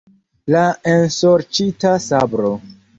La ensorĉita sabro.